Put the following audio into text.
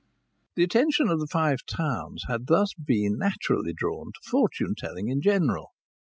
The attention of the Five Towns had thus been naturally drawn to fortune telling in general.